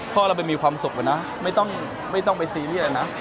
เพราะเราเป็นมีความสุขเลยนะไม่ต้องไปซีรีส์เลยนะ